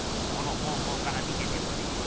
この方向から見ててもね。